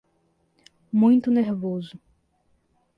Muito nervoso